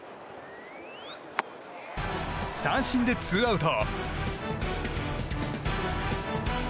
三振でツーアウト。